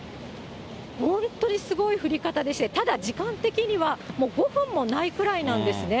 本当にすごい降り方でして、ただ時間的には、もう５分もないくらいなんですね。